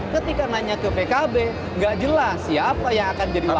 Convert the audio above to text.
ketika nanya ke pkb nggak jelas siapa yang akan jadi wakil